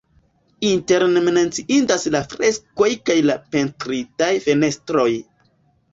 Interne menciindas la freskoj kaj la pentritaj fenestroj.